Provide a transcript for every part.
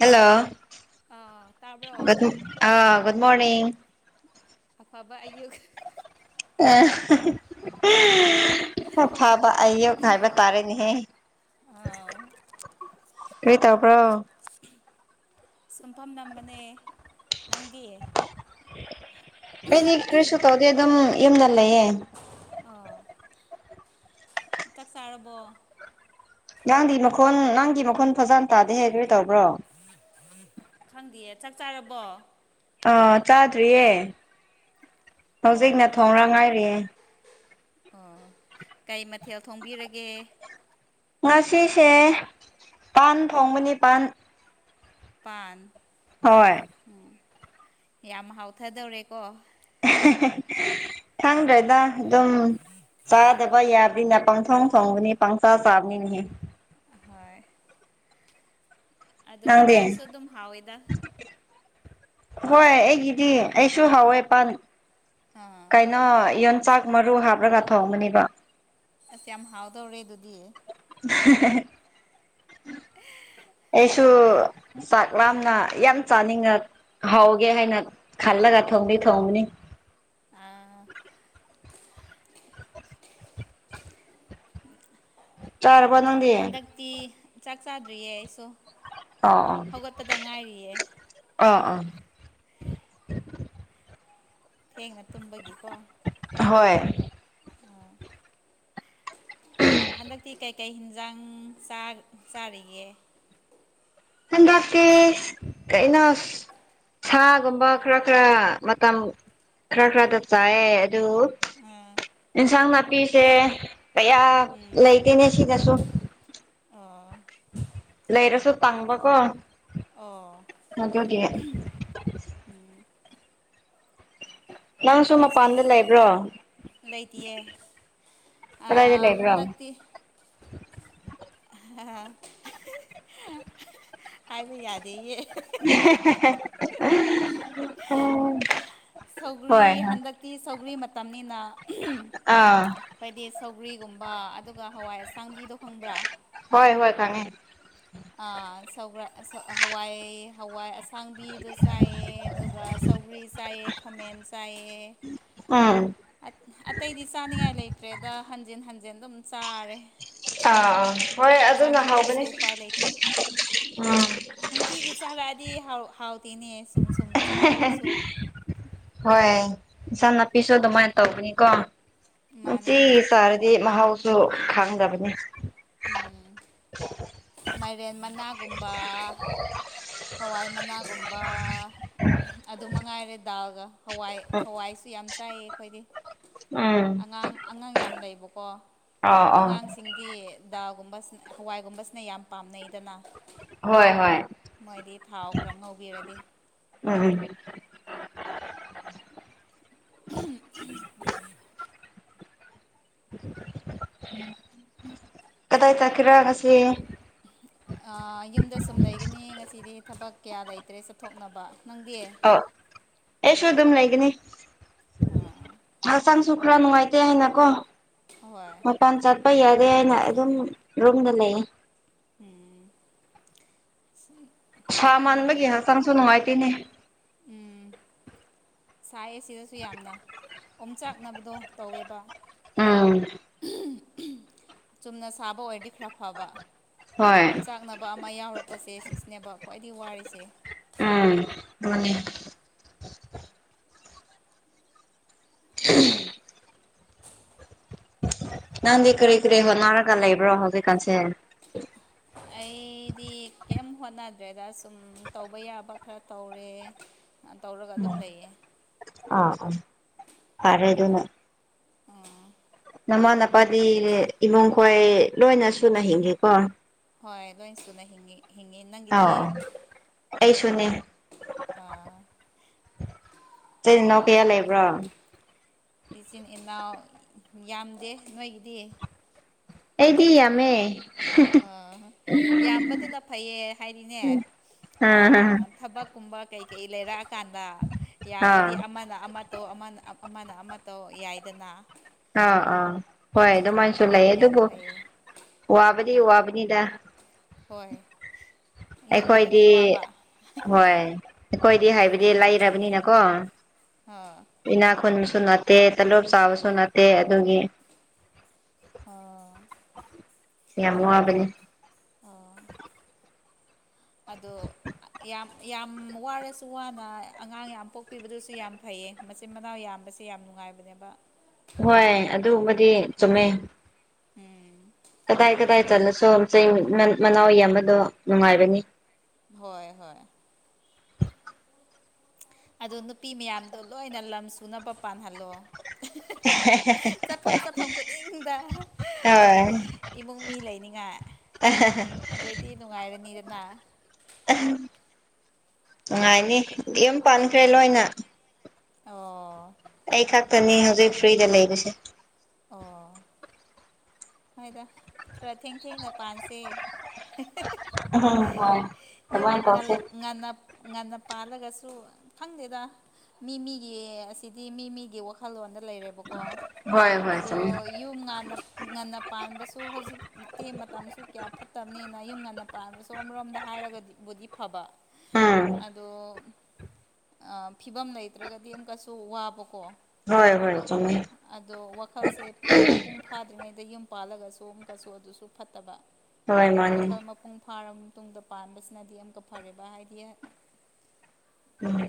hello ꯑꯥ ꯗ ꯇꯥꯕ꯭ꯔꯣ ꯑꯥ ꯨꯗ ꯃꯣꯅꯤꯡ ꯑ ꯑꯕ ꯑ ꯑ ꯑ ꯐꯥꯕ ꯑꯏꯦ ꯔꯕ ꯇꯥꯔꯦꯗꯤꯍꯦ ꯑꯥꯎ ꯀꯔꯤ ꯇꯧꯕ꯭ꯔꯣ ꯁꯨꯝ ꯐꯝꯃꯝꯕꯅꯦ ꯅꯪꯗꯤ ꯑꯩꯗꯤ ꯀꯔꯤꯁꯨ ꯇꯧꯗꯦ ꯑꯗꯨꯝ ꯌꯨꯝꯗ ꯂꯩꯌꯦ ꯑ ꯆꯥꯛ ꯆꯥꯔꯕꯣ ꯅꯥꯡꯒꯤ ꯃꯈꯣꯟꯜ ꯅꯪꯒꯤ ꯃꯈꯣꯟ ꯐꯖꯅ ꯇꯥꯗꯦꯍꯦ ꯀꯔꯤ ꯇꯧꯕ꯭ꯔꯣ ꯈꯪꯗꯦꯌꯦ ꯆꯥꯛ ꯆꯥꯔꯕꯣ ꯑꯥ ꯆꯥꯗ꯭ꯔꯤꯌꯦ ꯍꯧꯖꯤꯛꯅ ꯑꯣ ꯊꯣꯡꯅ ꯉꯥꯏꯔꯦ ꯑꯣ ꯀꯩ ꯃꯊꯦꯜ ꯊꯣꯡꯕꯤꯔꯒꯦ ꯉꯁꯤꯁꯦ ꯄꯥꯟ ꯊꯣꯡꯕꯅꯤ ꯄꯥꯟ ꯄꯥꯟ ꯍꯣꯏ ꯌꯥꯝ ꯍꯥꯎꯊꯗꯧꯔꯦꯀꯣ ꯈꯪꯗ꯭ꯔꯦꯗ ꯑꯗꯨꯝ ꯆꯥꯗꯕ ꯌꯥꯕꯅꯤꯅ ꯄꯪꯊꯣꯡ ꯊꯣꯡꯕꯅꯤ ꯄꯪꯆꯥ ꯆꯥꯕꯅꯤꯅꯦꯍꯦ ꯍꯣꯏ ꯑꯗꯣ ꯅꯪꯗꯤ ꯄꯥꯟꯁꯨ ꯑꯗꯨꯝ ꯍꯥꯎꯋꯦꯗ ꯍꯣꯏ ꯑꯩꯒꯤꯗꯤ ꯑꯩꯁꯨ ꯍꯥꯎꯋꯦ ꯄꯥꯟ ꯑꯥ ꯀꯩꯅꯣ ꯆꯥꯛ ꯃꯔꯨ ꯍꯥꯞꯂꯒ ꯊꯣꯡꯒꯅꯤꯕ ꯑꯁ ꯌꯥꯝ ꯍꯥꯎꯗꯧꯔꯦ ꯑꯗꯨꯗꯤ [inaudible] ꯑꯩꯁꯨ ꯆꯥꯛ ꯂꯥꯝꯅ ꯌꯥꯝ ꯆꯥꯅꯤꯡꯉ ꯍꯥꯎꯒꯦ ꯍꯥꯏꯅ ꯈꯜꯂꯒ ꯊꯣꯡꯗꯤ ꯊꯣꯡꯅꯤ ꯑꯥ ꯆꯥꯔꯕꯣ ꯅꯪꯗꯦ ꯍꯟꯗꯛꯇꯤ ꯆꯥꯛ ꯆꯥꯗ꯭ꯔꯤꯌꯦ ꯑꯩꯁꯨ ꯍꯧꯒꯠꯄꯗ ꯉꯥꯏꯔꯤꯌꯦ [inaudible] [inaudible] ꯊꯦꯡꯅ ꯇꯨꯝꯕꯒꯤꯀꯣ ꯍꯣꯏ ꯍꯟꯗꯛꯇꯤ ꯀꯩꯀꯩ ꯍꯤꯟꯖꯥꯡ ꯆꯥꯛ ꯆꯥꯔꯤꯒꯦ ꯍꯟꯗꯛꯇꯤ ꯀꯩꯅꯣ ꯁꯥꯒꯨꯝꯕ ꯈꯔ ꯈꯔ ꯃꯇꯝ ꯈꯔ ꯈꯔꯗ ꯆꯥꯏꯑꯦ ꯑꯗꯨ ꯑꯥ ꯑꯦꯟꯁꯥꯡ ꯅꯥꯄꯤꯁꯦ ꯀꯌꯥ ꯎꯝ ꯂꯩꯇꯦꯅꯦ ꯁꯤꯗꯁꯨ ꯑꯣ ꯂꯩꯔꯁꯨ ꯇꯥꯡꯕ ꯀꯣ ꯑꯣ ꯑꯗꯨꯒꯤ ꯅꯪꯁꯨ ꯑꯩꯈꯣꯏ ꯁꯣꯝ ꯃꯄꯥꯟꯗ ꯂꯩꯕ꯭ꯔꯣ ꯂꯩꯇꯤꯌꯦ ꯀꯗꯥꯏꯗ ꯑꯥ ꯂꯩꯕ꯭ꯔꯣ ꯍꯟꯗꯛꯇꯤ [inaudible] [unintelligible] ꯍꯥꯏꯕ ꯌꯥꯗꯦꯌꯦ [unintelligible] ꯎꯝ ꯍꯣꯏ ꯁꯧꯒ꯭ꯔꯤ ꯍꯣꯏ ꯍꯟꯗꯛꯇꯤ ꯁꯧꯒ꯭ꯔꯤ ꯃꯇꯝꯅꯤꯅ ꯑꯥ ꯑꯩꯈꯣꯏꯗꯤ ꯁꯧꯒ꯭ꯔꯤꯒꯨꯝꯕ ꯑꯗꯨꯒ ꯍꯋꯥꯏ ꯑꯁꯥꯡꯕꯤꯗꯣ ꯈꯪꯕ꯭ꯔꯥ ꯍꯣꯏ ꯍꯣꯏ ꯈꯪꯉꯦ ꯑꯥ ꯁꯧꯒꯔꯥꯏ ꯁꯥ ꯍꯋꯥꯏ ꯍꯋꯥꯏ ꯑꯁꯡꯕꯤꯗꯨ ꯆꯥꯏꯑ ꯑꯗꯨꯒ ꯁꯧꯒ꯭ꯔꯤ ꯆꯥꯏꯑ ꯈꯥꯃꯦꯟ ꯆꯥꯏꯑꯦ ꯎꯝ ꯑꯇꯩꯗꯤ ꯆꯥꯅꯤꯡꯉꯥꯏ ꯂꯩꯇ꯭ꯔꯦꯗ ꯍꯟꯖꯤꯟ ꯍꯟꯖꯤꯟ ꯑꯗꯨꯝ ꯆꯥꯔꯦ ꯑꯥ ꯑꯥ ꯆꯥꯅꯤꯡꯗ꯭ꯔꯁꯨ ꯎꯄꯥꯏ ꯂꯩꯇꯦ ꯎꯝ ꯅꯨꯡꯇꯤꯒꯤ ꯆꯥꯔꯛꯑꯗꯤ ꯍꯥꯎ ꯍꯥꯎ ꯇꯅꯤ ꯁꯨꯝ ꯁꯨꯝ ꯆꯃꯜꯂꯁꯨꯣ ꯍꯣꯏ ꯏꯟꯁꯥꯡ ꯅꯥꯄꯤꯁꯨ ꯑꯗꯨꯃꯥꯏꯅ ꯇꯧꯕꯅꯤꯀꯣ ꯃꯥꯅꯦ ꯅꯨꯡꯇꯤꯒꯤ ꯍꯣꯏ ꯆꯥꯔꯗꯤ ꯃꯍꯥꯎ ꯁꯨ ꯈꯪꯗꯕꯅꯤ ꯎꯝ ꯃꯥꯏꯔꯦꯟ ꯃꯅꯥꯒꯨꯝꯕ ꯍꯋꯥꯏ ꯃꯅꯥꯒꯨꯝꯕ ꯑꯗꯨ ꯃꯉꯥꯏꯔꯦ ꯗꯥꯜꯒ ꯍꯋꯥꯏ ꯍꯋꯥꯏꯁꯨ ꯌꯥꯝ ꯆꯥꯏꯌꯦ ꯑꯩꯈꯣꯏꯗꯤ ꯎꯝ ꯑꯉꯥꯡ ꯑꯉꯥꯡ ꯌꯥꯝ ꯂꯩꯕꯀꯣ ꯑꯣ ꯑꯣ ꯑꯉꯥꯡꯁꯤꯡꯗꯤ ꯗꯥꯜꯒꯨꯝꯕꯁꯤ ꯍꯋꯥꯏꯒꯨꯝꯕꯁꯤꯅ ꯌꯥꯝ ꯄꯥꯝꯅꯩꯗꯅ ꯍꯣꯏ ꯍꯣꯏ ꯃꯣꯏꯗꯤ ꯊꯥꯎ ꯈꯔ ꯉꯧꯕꯤꯔꯗꯤ ꯎꯝ [inaudible] ꯀꯗꯥꯏ ꯆꯠꯀꯔꯑꯦ ꯉꯥꯁꯤ ꯑꯥ ꯀꯌꯥ ꯂꯩ ꯅꯪꯗꯤ ꯑꯣ ꯑꯩꯁꯨ ꯑꯗꯨꯝ ꯂꯩꯒꯅꯤ ꯍꯛꯆꯥꯡꯁꯨ ꯈꯔ ꯅꯨꯡꯉꯥꯏꯇꯦ ꯍꯥꯏꯅ ꯀꯣ ꯍꯣꯏ ꯃꯄꯥꯟ ꯆꯠꯄ ꯌꯥꯗꯦ ꯍꯥꯏꯅ ꯑꯗꯨꯝ ꯔꯨꯝꯗ ꯂꯩꯌꯦ ꯎꯝ [inaudible] ꯁꯥ ꯃꯟꯥꯅꯕꯒꯤ ꯍꯛꯆꯥꯡꯁꯨ ꯅꯨꯡꯉꯥꯏꯇꯦꯅꯦ ꯎꯝ ꯁꯥꯏꯌꯦ ꯁꯤꯗꯁꯨ ꯌꯥꯝꯅ ꯑꯣꯝꯆꯥꯛꯅꯕꯗꯣ ꯇꯧꯋꯦꯕ ꯎꯝ ꯆꯨꯝꯅ ꯁꯥꯕ ꯑꯣꯏꯔꯗꯤ ꯈꯔ ꯐꯕ ꯍꯣꯏ ꯑꯣꯝ ꯆꯥꯛꯅꯕ ꯑꯃ ꯌꯥꯎꯔꯛꯄꯁꯦ ꯁꯤꯁꯤꯅꯦꯕ ꯈ꯭ꯋꯥꯏꯗꯒꯤ ꯋꯥꯔꯤꯁꯦ ꯎꯝ ꯃꯅꯤ ꯎꯝ [unintelligible] ꯅꯪꯗꯤ ꯀꯔꯤ ꯀꯔꯤ ꯍꯣꯠꯅꯔꯒ ꯂꯩꯕ꯭ꯔꯣ ꯍꯧꯖꯤꯛꯀꯥꯟꯁꯦ ꯑꯩꯗꯤ ꯀꯩꯝ ꯍꯣꯠꯅꯗ꯭ꯔꯦꯗ ꯁꯨꯝ ꯇꯧꯕ ꯌꯥꯕ ꯈꯔ ꯇꯧꯔꯦ ꯇꯧꯔꯒ ꯑꯗꯨꯝ ꯂꯩꯌꯦ ꯑ ꯐꯔꯩꯑꯗꯨꯅ ꯎꯝ ꯅꯃꯥ ꯅꯄꯥꯗꯤ ꯏꯃꯨꯡꯈꯣꯏ ꯂꯣꯏꯅ ꯁꯨꯅ ꯍꯤꯡꯒꯦꯀꯣ ꯍꯣꯏ ꯂꯣꯏꯅ ꯁꯨꯅ ꯍꯤꯡꯉꯤ ꯍꯤꯡꯉꯤ ꯅꯪꯒꯤꯗꯤ ꯑꯥꯎ ꯑꯩꯁꯨꯅꯦ ꯏꯆꯤꯟ ꯏꯅꯥꯎ ꯀꯌꯥ ꯂꯩꯕ꯭ꯔꯣ ꯏꯆꯤꯟ ꯏꯅꯥꯎ ꯌꯥꯝꯗꯦ ꯅꯣꯏꯒꯤꯗꯤ ꯑꯦꯗꯤ ꯌꯃꯃꯦ ꯑ ꯌꯥꯝꯕꯗꯨꯅ ꯐꯩꯌꯦ ꯍꯥꯏꯗꯤꯅꯦ ꯑꯥ ꯊꯕꯛꯀꯨꯝꯕ ꯀꯩꯀꯩ ꯂꯩꯔꯛꯑꯀꯥꯟꯗ ꯏꯌꯥꯝꯕꯗꯤ ꯑꯃꯅ ꯑꯃ ꯑꯧ ꯑꯃꯅ ꯑꯃꯅ ꯑꯃꯠꯇꯧ ꯌꯥꯏꯗꯅ ꯑꯥ ꯑꯥ ꯍꯣꯏ ꯑꯗꯨꯃꯥꯏꯁꯨ ꯂꯩ ꯌꯥꯝ ꯑꯗꯨꯕꯨ ꯐꯩꯌꯦ ꯋꯥꯕꯗꯤ ꯑꯗꯨꯒꯤ ꯋ꯭ꯕꯅꯤꯗ ꯍꯣꯏ ꯌꯣꯛꯄꯗꯗꯤ ꯑꯩꯈꯣꯏꯗꯤ ꯋꯥꯕ ꯍꯣꯏ ꯑꯩꯈꯣꯏꯗꯤ ꯍꯥꯏꯕꯗꯤ ꯂꯩꯔꯕꯅꯤꯅꯀꯣ ꯑꯥ ꯏꯅꯥ ꯈꯨꯟ ꯅꯠꯇꯦ ꯇꯂꯣꯞ ꯆꯥꯕꯁꯨ ꯅꯠꯇꯦ ꯑꯗꯨꯒꯤ ꯑꯣ ꯌꯥꯝ ꯋꯥꯕꯅꯦ ꯑꯗꯣ ꯌꯥꯝ ꯌꯥꯝ ꯋꯥꯔꯁꯨ ꯋꯥꯅ ꯑꯉꯥꯡ ꯌꯥꯝ ꯄꯣꯛꯄꯤꯕꯗꯨꯁꯨ ꯌꯥꯝ ꯐꯩꯌꯦ ꯃꯆꯤꯟ ꯃꯅꯥꯎ ꯌꯥꯝ ꯌꯥꯝꯕꯁꯦ ꯌꯥꯝ ꯅꯨꯡꯉꯥꯏꯕꯅꯦꯕ ꯍꯣꯏ ꯑꯗꯨꯕꯗꯤ ꯆꯨꯝꯃꯦ ꯎꯝ ꯀꯗꯥꯏ ꯀꯗꯥꯏ ꯆꯠꯂꯁꯨ ꯆꯩ ꯃꯅꯥꯎ ꯌꯦꯕꯗꯣ ꯅꯨꯡꯉꯥꯏꯕꯅꯤ ꯍꯣꯏ ꯍꯣꯏ ꯑꯣ ꯅꯨꯄꯤ ꯃꯌꯥꯝꯗꯣ ꯂꯣꯏꯅ ꯂꯝ ꯁꯨꯅꯕ ꯄꯥꯟꯍꯜꯂꯣ ꯍ ꯆꯠꯐꯝ ꯆꯠꯐꯝ ꯈꯨꯗꯤꯡꯗ ꯍꯣꯏ ꯏꯃꯨꯡ ꯃꯤ ꯂꯩꯅꯤꯡꯉꯥꯏ ꯑꯗꯩꯗꯤꯤ ꯅꯅꯨꯡꯉꯥꯏꯔꯅꯤꯔꯅ ꯅꯨꯡꯉꯥꯏꯅꯤ ꯌ ꯄꯥꯟꯈ꯭ꯔꯦ ꯂꯣꯏꯅ ꯑꯣ ꯑꯩ ꯈꯛꯇꯅꯤ ꯍꯧꯖꯤꯛ ꯐ꯭ꯔꯤꯗ ꯂꯩꯕꯁꯦ ꯑꯣ ꯍꯥꯏꯗ ꯈꯔ ꯊꯦꯡ ꯊꯦꯡꯅ ꯄꯥꯟꯁꯦ ꯎꯝ ꯍꯣꯏ ꯌꯨꯝ ꯑꯗꯨꯃꯥꯏꯅ ꯉ ꯇꯧꯁꯦ ꯉ ꯉ ꯄꯥꯜꯂꯒꯁꯨ ꯈꯪꯗꯦꯗ ꯃꯤ ꯃꯤꯒꯤ ꯑꯁꯤꯗꯤ ꯃꯤ ꯃꯤꯒꯤ ꯋꯥꯈꯜꯂꯣꯟꯗ ꯂꯩꯔꯦꯕꯀꯣ ꯍꯣꯏ ꯍꯣꯏ ꯆꯨꯝꯃꯦ ꯑꯗꯣ ꯌꯨꯝ ꯉꯟꯅ ꯄꯥꯟꯕꯁꯨ ꯍꯧꯖꯤꯤ ꯃꯇꯝꯁꯨ ꯀꯌꯥ ꯐꯠꯇꯕꯅꯤꯅ ꯌꯨꯝ ꯉꯟꯅ ꯄꯥꯟꯕꯁꯨ ꯑꯃꯔꯣꯝꯗ ꯍꯥꯏꯔꯒꯗꯤꯕꯨꯗꯤ ꯐꯕ ꯎꯝ ꯑꯗꯣ ꯐꯤꯕꯝ ꯂꯩꯇ꯭ꯔꯒꯗꯤ ꯑꯃꯨꯛꯀꯁꯨ ꯋꯥꯕꯀꯣ ꯍꯣꯏ ꯍꯣꯏ ꯆꯉꯃꯦ ꯐꯛꯁꯦ ꯄꯨꯔꯥ ꯃꯄꯨꯡ ꯐꯥꯗ꯭ꯔꯤꯉꯩꯗ ꯌꯨꯝ ꯄꯥꯜꯂꯒꯁꯨ ꯑꯃꯨꯛꯀꯁꯨ ꯑꯗꯨꯁꯨ ꯐꯠꯇꯕ ꯍꯣꯏ ꯃꯥꯅꯤ ꯋꯥꯈꯜ ꯃꯄꯨꯡ ꯐꯥꯔꯝ ꯇꯨꯡꯗ ꯄꯥꯟꯕꯁꯤꯅꯗꯤ ꯑꯃꯀ ꯐꯔꯦꯕ ꯍꯥꯏꯗꯤ ꯎꯝ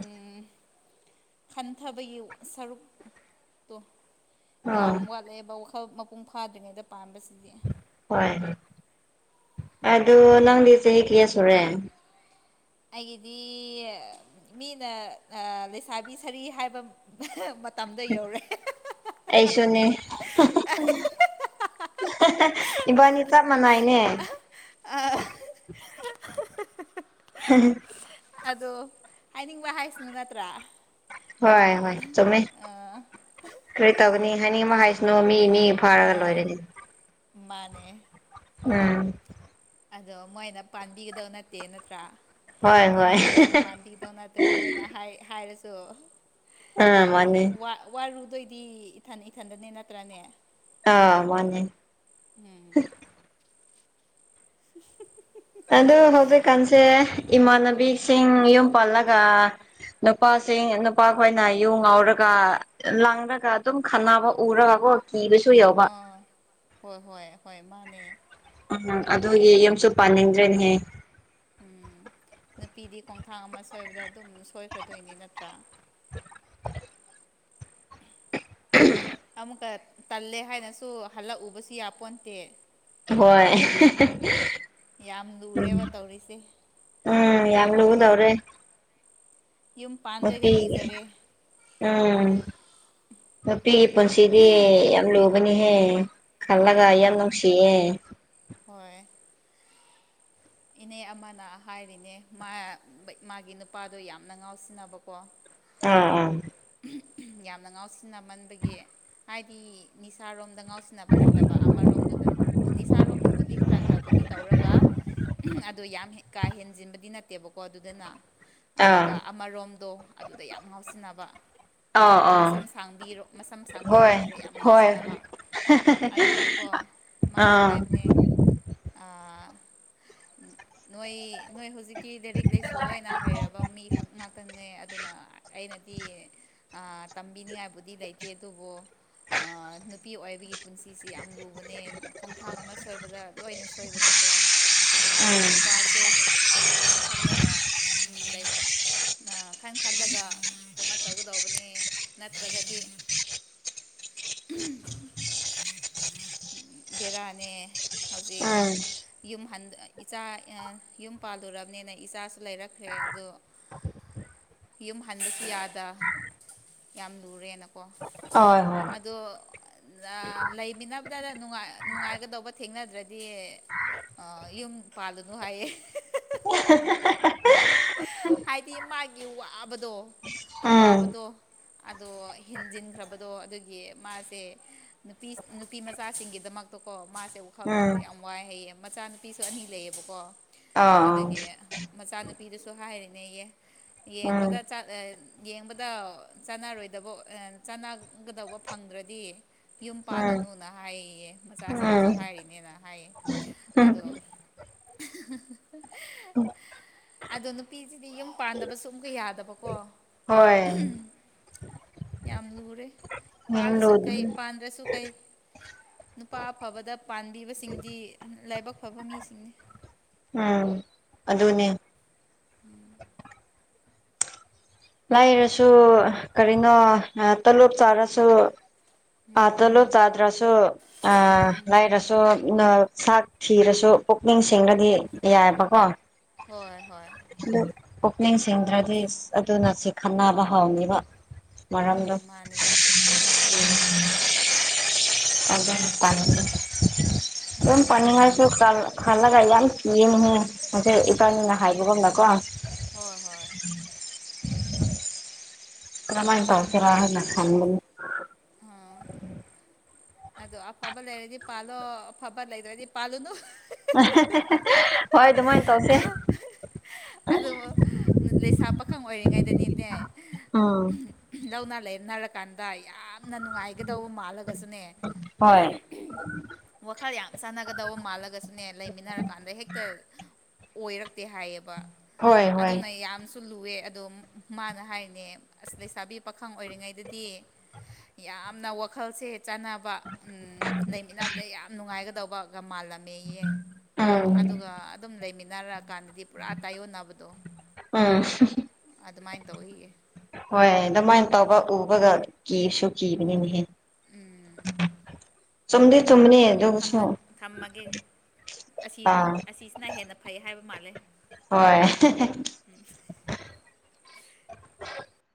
ꯈꯟꯊꯕꯌꯨ ꯁꯔꯨꯛꯇꯣ ꯌꯥꯝ ꯑꯥ ꯋꯥꯠꯂꯛꯑꯦꯕ ꯋꯥꯈꯜ ꯃꯄꯨꯡ ꯐꯥꯗ꯭ꯔꯤꯉꯩꯗ ꯄꯥꯟꯕꯥꯕꯁꯤꯅ ꯍꯣꯏ ꯑꯗꯨ ꯅꯪꯗꯤ ꯆꯍꯤ ꯀꯌꯥ ꯁꯨꯔꯦ ꯑꯩꯒꯤꯗꯤ ꯃꯤꯅ ꯂꯩꯁꯥꯕꯤ ꯁꯔꯤ ꯍꯥꯏꯕ ꯃꯇꯝꯗ ꯌꯧꯔꯦ ꯑꯩꯁꯨꯅꯤ ꯏꯕꯥꯅꯤ ꯆꯞ ꯃꯥꯟꯅꯏꯅꯦ ꯍꯝ ꯑꯗꯣ ꯍꯥꯏꯅꯤꯡꯕ ꯍꯥꯏꯁꯅꯨ ꯅꯠꯇ꯭ꯔꯥ ꯍꯣꯏ ꯍꯣꯏ ꯆꯃꯦ ꯀꯔꯤ ꯇꯧꯒꯅꯤ ꯍꯥꯏꯅꯤꯡ ꯃꯍ ꯍꯥꯏꯁꯅꯨ ꯃꯤ ꯃꯤ ꯐꯥꯔꯒ ꯑꯥ ꯂꯣꯏꯔꯅꯤ ꯃꯥꯅꯦ ꯎꯝ ꯑꯗꯣ ꯃꯣꯏꯅ ꯄꯥꯟꯕꯤꯒꯗꯧ ꯅꯠꯇꯦ ꯅꯠꯇ꯭ꯔꯥ ꯍꯣꯏ ꯍꯣꯏ ꯏꯃꯨꯡꯗꯣ ꯃꯣꯏꯅ ꯄꯥꯟꯝꯕꯤꯗꯧ ꯅꯠꯇ꯭ꯔꯦ ꯃꯣꯏꯅ ꯍꯥꯏꯔꯁꯨ ꯑꯥ ꯃꯥꯅꯦꯅꯦ ꯑꯗꯨꯑꯣꯏꯗꯤ ꯏꯊꯟ ꯏꯊꯟꯗꯅꯦ ꯅꯠꯇ꯭ꯔꯅꯦ ꯑꯥ ꯃꯥꯅꯦꯦ ꯎꯝ [inaudible] ꯑꯗꯨ ꯍꯧꯖꯤꯛꯀꯥꯟꯁꯦ ꯏꯃꯥꯟꯅꯕꯤꯁꯤꯡ ꯌꯨꯝ ꯄꯜꯂꯒ ꯅꯨꯄꯥꯁꯤꯡ ꯅꯨꯄꯥꯈꯣꯏꯅ ꯌꯨ ꯉꯥꯎꯔꯒ ꯂꯥꯡꯔꯒ ꯑꯗꯨꯝ ꯈꯅꯕ ꯎꯔꯒꯀꯣ ꯀꯤꯕꯁꯨ ꯌꯧꯕ ꯑꯥ ꯍꯣꯏ ꯍꯣꯏ ꯍꯣꯏ ꯃꯥꯅꯦ ꯎꯝ ꯑꯗꯨꯒꯤ ꯌꯨꯝꯁꯨ ꯄꯥꯅꯤꯡꯗ꯭ꯔꯦꯅꯦꯍꯦ ꯎꯝ ꯅꯨꯄꯤꯗꯤ ꯈꯣꯡꯊꯥꯡ ꯑꯃ ꯁꯣꯏꯕꯗ ꯑꯗꯨꯝ ꯁꯣꯏꯈ꯭ꯔꯗꯣꯏꯅꯦ ꯅꯠꯇ꯭ꯔꯥ ꯍ [inaudible] ꯑꯃꯨꯛꯀ ꯇꯜꯂꯦ ꯍꯥꯏꯅꯁꯨ ꯍꯜꯂꯛꯎꯕꯁꯨ ꯌꯥ ꯄꯣꯟꯇꯦ ꯍꯣꯏ ꯌꯥꯝ ꯎꯝ ꯂꯨꯔꯦꯕ ꯇꯧꯔꯤꯁꯦ ꯌꯥꯝ ꯌꯥꯝ ꯂ ꯎꯗꯋꯥ꯭ꯔꯦ ꯌꯨꯝ ꯃ ꯄꯥꯟꯗꯣꯏꯒ ꯀꯤꯖꯔꯦ ꯎꯝ ꯅꯨꯄꯤꯒꯤ ꯄꯨꯟꯁꯤꯗꯤ ꯌꯥꯝ ꯂꯨꯕꯅꯤꯍꯦ ꯈꯜꯂꯒ ꯍꯣꯏ ꯌꯥꯝ ꯅꯨꯡꯁꯤꯑꯦ ꯍꯣꯏ ꯏꯅꯦ ꯑꯃꯅ ꯍꯥꯏꯔꯤꯅꯦ ꯃꯥꯒꯤ ꯅꯨꯄꯥꯗꯣ ꯌꯥꯝꯅ ꯉꯥꯎꯁꯤꯟꯅꯕꯀꯣ ꯑꯥ ꯑꯥ ꯌꯥꯝꯅ ꯉꯥꯎꯁꯤꯟꯅꯃꯟꯕꯒꯤ ꯍꯥꯏꯗꯤ ꯅꯤꯁꯥꯔꯣꯝ ꯗ ꯉꯥꯎꯁꯤꯟꯅꯕ ꯅꯠꯇꯕ ꯑꯃꯔꯣꯝꯗꯨꯗ ꯅꯤꯁꯥꯔꯣꯝꯗꯕꯨꯗꯤ ꯈꯔ ꯈꯔꯕꯨꯗꯤ ꯇꯧꯔꯒ ꯑꯗꯣ ꯌꯥꯝ ꯀꯥ ꯍꯦꯟꯖꯤꯟꯕꯗꯤ ꯅꯠꯇꯦꯕꯀꯣ ꯑꯗꯨꯗꯅ ꯑꯥ ꯑꯗꯨꯒ ꯑꯃꯔꯣꯝꯗꯣ ꯑꯗꯨꯗ ꯌꯥꯝ ꯉꯥꯎꯁꯤꯟꯅꯕ ꯑꯥ ꯑꯥ ꯑꯥ ꯃꯁꯝ ꯁꯥꯡꯕꯤꯔꯣ ꯃꯁꯝ ꯁꯥꯡꯕꯤꯔꯣꯝ ꯍꯣꯏ ꯃꯁꯤꯗ ꯌꯥꯝ ꯍꯣꯏ ꯉꯥꯎꯁꯤꯟꯅꯕ ꯑꯗꯨꯒꯤꯀꯣ ꯃꯥꯅ ꯑꯥ ꯍꯥꯏꯕꯅꯦ [inaudible] ꯅꯣꯏ ꯅꯣꯏ ꯍꯧꯖꯤꯛ ꯤ ꯂꯥꯏꯔꯤꯛ ꯂꯥꯏꯁꯨ ꯂꯣꯏꯅ ꯍꯩꯔꯕ ꯃꯤꯈꯛ ꯉꯥꯛꯇꯅꯤꯅꯦ ꯑꯗꯨꯅ ꯑꯩꯅꯗꯤ ꯇꯝꯕꯤꯅꯤꯡꯉꯥꯏꯕꯨꯗꯤ ꯂꯩꯇꯦ ꯑꯗꯨꯕꯨ ꯅꯨꯄꯤ ꯑꯣꯏꯕꯒꯤ ꯄꯨꯟꯁꯤꯁꯤ ꯌꯥꯝ ꯂꯨꯕꯅꯦ ꯈꯣꯡꯊꯥꯡ ꯑꯃ ꯁꯣꯏꯕꯗ ꯂꯣꯏꯅ ꯁꯣꯏꯕꯅꯦꯀꯣꯅ ꯑꯗꯣ ꯎꯝ ꯅꯨꯄꯥꯁꯦ ꯈꯟ ꯈꯜꯂꯒ ꯂꯩ ꯑ ꯈꯟ ꯈꯜꯂꯒ ꯎꯝ ꯀꯃꯥꯏꯅ ꯇꯧꯒꯗꯧꯕ ꯅꯤ ꯅꯠꯇ꯭ꯔꯒꯗꯤ ꯕꯦꯔꯥꯅꯦ ꯍꯧꯖꯤꯛ ꯎꯝ ꯌꯨꯝ ꯏꯆꯥ ꯌꯨꯝ ꯄꯥꯜꯗꯣꯔꯕꯅꯤꯅ ꯏꯆꯥꯁꯨ ꯂꯩꯔꯛꯈ꯭ꯔꯦ ꯑꯗꯣ ꯑꯣ ꯌꯨꯝ ꯍꯟꯗꯁꯨ ꯌꯥꯗ ꯌꯥꯝ ꯂꯨꯔꯦꯅꯀꯣ ꯍꯣꯏ ꯍꯣꯏ ꯑꯗꯣ ꯂꯩꯃꯤꯟꯅꯕꯗ ꯅꯨꯡꯉꯥꯏꯒꯗꯧꯕ ꯊꯦꯡꯅꯗ꯭ꯔꯗꯤ ꯑ ꯌꯨꯝ ꯄꯥꯜꯂꯨꯅꯨ ꯍꯥꯏꯌꯦꯦ ꯍ ꯍꯥꯏꯗꯤ ꯃꯥꯒꯤ ꯋꯥꯕꯗꯣ ꯎꯝ ꯋꯥꯕꯗꯣ [unintelligible] ꯑꯗꯣ ꯍꯦꯟꯖꯤꯟꯈ꯭ꯔꯕꯗꯣ ꯑꯗꯨꯒꯤ ꯃꯥꯁꯦ ꯅꯨꯄꯤ ꯅꯨꯄꯤꯃꯆꯥꯁꯤꯡꯒꯤꯗꯃꯛꯇꯀꯣ ꯀ ꯃꯥꯁꯦꯕꯨꯈꯜ ꯎꯝ ꯈꯟꯕꯗ ꯌꯥꯝ ꯋꯥꯏ ꯍꯩꯌꯦ ꯃꯆꯥꯅꯨꯄꯤꯁꯨ ꯑꯅꯤ ꯂꯩꯌꯦꯕꯀꯣ ꯑꯥ ꯑꯥ ꯑꯗꯒꯤ ꯃꯆꯥꯅꯨꯄꯤꯗꯨꯁꯨ ꯍꯥꯏꯔꯤꯅꯦꯌꯦ ꯌꯦꯡꯕꯗ ꯌꯦꯡꯕꯗ ꯆꯥꯟꯅꯔꯣꯏꯗꯕ ꯆꯥꯟꯅꯒꯗꯧꯕ ꯐꯪꯗ꯭ꯔꯗꯤ ꯌꯨꯝ ꯎꯝ ꯄꯥꯜꯂꯨꯅꯨꯅ ꯍꯥꯏꯌꯦ ꯃꯆꯥꯁꯤꯡꯗꯁꯨ ꯎꯝ ꯍꯥꯏꯔꯤꯅꯦꯅ ꯍꯥꯏꯌꯦ ꯎꯝ ꯑꯗꯣ [unintelligible] ꯑꯗꯣ ꯅꯨꯄꯤꯁꯤꯗꯤ ꯌꯨꯝ ꯄꯥꯟꯗꯕꯁꯨ ꯑꯨꯛꯀ ꯌꯥꯗꯕꯀꯣ ꯍꯣꯏ ꯌꯥꯝ ꯂꯔꯦ ꯄꯥꯜꯁꯨ ꯀꯩ ꯄꯥꯟꯗ꯭ꯔꯁꯨ ꯀꯥꯏ ꯅꯨꯄꯥ ꯐꯕꯗ ꯄꯥꯟꯕꯤꯕꯁꯤꯡꯗꯤ ꯂꯥꯏꯕꯛ ꯐꯕ ꯃꯤꯁꯤꯡꯅꯤ ꯎꯝ ꯑꯗꯨꯗꯅ ꯎꯝ ꯂꯥꯏꯔꯁꯨ ꯀꯔꯤꯅꯣ ꯇꯂꯣꯞ ꯆꯥꯔꯁꯨ ꯄꯥꯇꯂꯨ ꯇꯥꯗ꯭ꯔꯁꯨ ꯑ ꯎꯝ ꯂꯏ ꯔꯁꯨꯣ ꯅ ꯆꯥꯛ ꯊꯤꯔꯁꯨ ꯄꯨꯛꯅꯤꯡꯁꯤꯡꯂꯗꯤ ꯌꯥꯏꯑꯕꯀꯣ ꯍꯣꯏ ꯍꯣꯏ ꯄꯨꯛꯅꯤꯡꯁꯤꯡꯗ꯭ꯔꯗꯤ ꯑꯗꯨꯅ ꯁꯤ ꯈꯟꯅꯕ ꯍꯧꯥꯎꯅꯤꯕ ꯃꯔꯥꯡꯗ ꯎꯝ ꯃꯥꯅꯦ ꯎꯝ ꯄ ꯑꯗꯨꯝ ꯄ ꯉꯥꯏꯁꯨ ꯀ ꯍꯜꯂꯒꯥꯏ ꯌꯥ ꯀ ꯅꯍ ꯑ ꯏꯀꯅꯤ ꯅ ꯑꯥ ꯍꯥꯏꯕꯕ ꯃꯅꯥꯀ ꯍꯣꯏ ꯍꯣꯏ ꯏꯃꯥꯏ ꯇꯧꯔꯅ ꯈꯅꯤ ꯑꯗ ꯑ ꯐꯕꯜꯗꯤ ꯄꯜꯣ ꯐꯕꯜ ꯂꯩꯣꯗꯤ ꯄꯥꯜꯅ ꯍꯣꯏ ꯑꯗꯨ ꯃꯅ ꯇꯧꯁꯦ ꯑꯗꯨ ꯂꯩꯁꯥ ꯄꯥꯈꯪ ꯑꯣꯏꯔꯤꯉꯩꯗꯅꯤꯅꯦ ꯎꯝ ꯂꯧꯅ ꯂꯩ ꯈꯟꯅꯔꯀꯥꯟꯗ ꯌꯥꯝꯅ ꯅꯨꯡꯉꯥꯏꯒꯗꯧꯕ ꯃꯥꯜꯂꯒꯁꯨꯅꯦ ꯍꯣꯏ ꯋꯥꯈꯜ ꯌꯥꯝ ꯆꯥꯟꯅꯒꯗꯕ ꯃꯥꯜꯂꯒꯁꯨꯅꯦ ꯂꯩꯃꯤꯟꯅꯔ ꯀꯥꯟꯗ ꯍꯦꯛꯇ ꯑꯣꯏꯔꯛꯇꯦ ꯍꯥꯏꯌꯦꯕ ꯍꯣꯏ ꯍꯣꯏ ꯆꯨꯜꯂꯨꯑꯦ ꯑꯗꯣ ꯃꯥꯅ ꯍꯥꯏꯔꯤꯅꯦ ꯑꯁ ꯂꯩꯁꯥꯕꯤ ꯄꯥꯈꯪ ꯑꯣꯏꯔꯤꯉꯩꯗꯗꯤ ꯌꯥꯝꯅ ꯋꯥꯈꯜꯁꯦ ꯆꯥꯟꯅꯕ ꯎ ꯂꯩꯃꯤꯟꯅꯕꯗ ꯌꯥꯝ ꯅꯨꯡꯉꯥꯏꯒꯗꯧꯕ ꯒ ꯃꯥꯜꯂꯝꯃꯦꯌꯦ ꯎꯝ ꯑꯗꯨꯒ ꯑꯗꯨꯝ ꯂꯩꯃꯤꯟꯅꯔ ꯀꯥꯟꯗꯗꯤ ꯄꯨꯔꯥ ꯇꯥꯏꯌꯣꯟꯅꯕꯗꯣ ꯎꯝ ꯑꯗꯨꯃꯥꯏꯅ ꯇꯧꯋꯌꯦ ꯍꯣꯏ ꯑꯗꯨꯃꯥꯏꯅ ꯇꯧꯕ ꯎꯕꯒ ꯀꯤꯁꯨ ꯀꯤꯕꯅꯤꯅꯦꯍꯦ ꯆꯨꯝꯗꯤ ꯆꯨꯝꯕꯅꯤ ꯑꯗꯨꯁꯨ ꯊꯝꯃꯒꯦ ꯑꯁꯤ ꯑꯥ ꯑꯁꯤꯁꯤꯅ ꯍꯦꯟꯅ ꯐꯩ ꯍꯥꯏꯕ ꯃꯥꯜꯂꯦ ꯍꯣꯏꯣꯏ